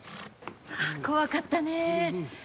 怖かったね。